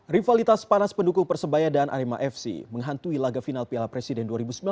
rivalitas panas pendukung persebaya dan arema fc menghantui laga final piala presiden dua ribu sembilan belas